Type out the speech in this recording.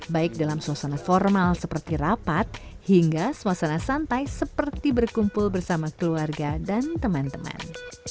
baik dalam suasana formal seperti rapat hingga suasana santai seperti berkumpul bersama keluarga dan teman teman